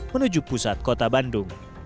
menuju pusat kota bandung